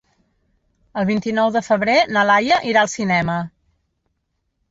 El vint-i-nou de febrer na Laia irà al cinema.